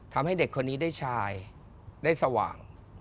ทำให้เด็กคนนี้ได้ชายได้สว่าง